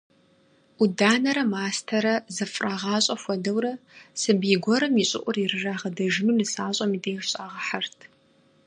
Ӏуданэрэ мастэрэ зэфӀрагъащӀэ хуэдэурэ, сабий гуэрым и щӀыӀур ирырагъэдэжыну нысащӀэм и деж щӀагъэхьэрт.